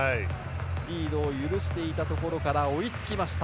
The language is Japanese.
リードを許していたところから追いつきました。